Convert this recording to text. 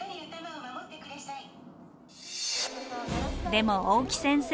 でも大木先生